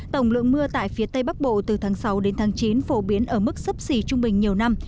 tổng lượng mưa tại phía tây bắc bộ từ tháng sáu đến tháng chín phổ biến ở mức sấp xỉ trung bình nhiều năm